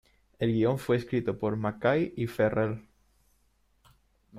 El guión fue escrito por McKay y Ferrell.